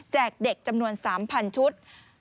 เด็กจำนวน๓๐๐ชุด